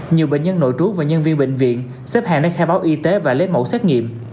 nhiều bệnh nhân nội trú và nhân viên bệnh viện xếp hàng đến khai báo y tế và lấy mẫu xét nghiệm